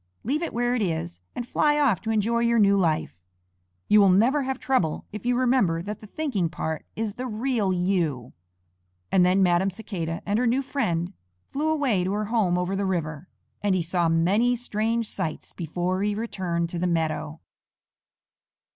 Leave it where it is and fly off to enjoy your new life. You will never have trouble if you remember that the thinking part is the real you." And then Madam Cicada and her new friend flew away to her home over the river, and he saw many strange sights before he returned to the meadow.